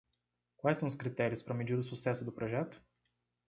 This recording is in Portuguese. Quais são os critérios para medir o sucesso do projeto?